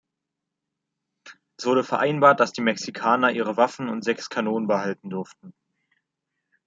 Es wurde vereinbart, dass die Mexikaner ihre Waffen und sechs Kanonen behalten durften.